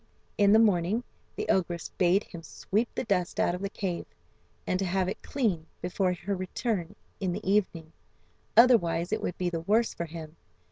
In the morning, the ogress bade him sweep the dust out of the cave, and to have it clean before her return in the evening, otherwise it would be the worse for him.